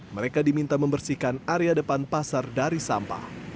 mereka diminta membersihkan area depan pasar dari sampah